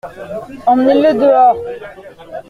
Emmenez-le dehors.